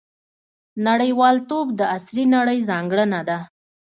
• نړیوالتوب د عصري نړۍ ځانګړنه ده.